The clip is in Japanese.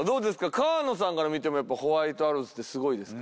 川野さんから見てもやっぱホワイトアローズってすごいですか？